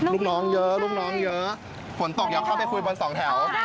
ลูกน้องเยอะฝนตกอย่าเข้าไปคุยบนสองแถว